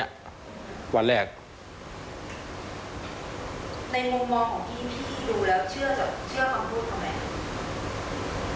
ในมุมมอ่องของพี่พี่รู้แล้วเชื่อจะเชื่อคำพูดข้อนั้น